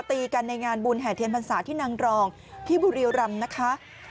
ตีกันในงานบุญแห่เทียนพรรษาที่นางรองที่บุรีรำนะคะ